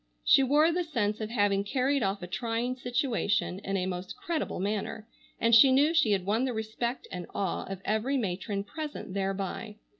She wore the sense of having carried off a trying situation in a most creditable manner, and she knew she had won the respect and awe of every matron present thereby.